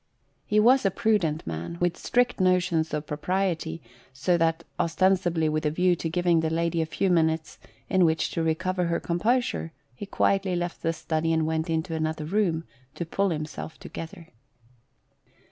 He" was a prudent man, with strict notions of propriety, so that, ostensibly with a view to giving the lady a few minutes in which to recover her composure, he quietly left the study and went into another room, to pull himself together.